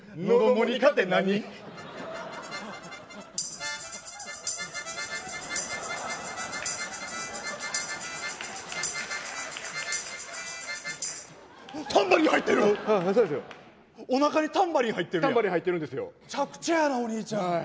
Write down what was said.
むちゃくちゃやな、お兄ちゃん。